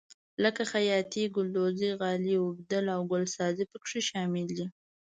لکه خیاطي ګلدوزي غالۍ اوبدنه او ګلسازي پکې شامل دي.